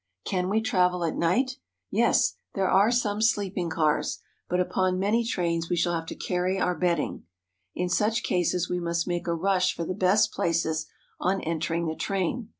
Can we travel at night ? Yes, there are some sleeping cars ; but upon many trains we shall have to carry our bed ding. In such cases we must make a rush for the best places on entering the train.